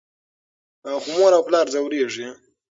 خو مور او پلار ځورېږي.